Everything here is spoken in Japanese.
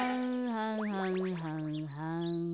はんはんはんはん。